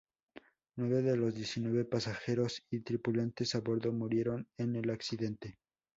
Nueve de los diecinueve pasajeros y tripulantes a bordo murieron en el accidente.